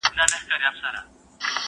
چي مېږي ته خدای په قار سي وزر ورکړي!!